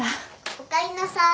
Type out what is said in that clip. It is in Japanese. おかえりなさい。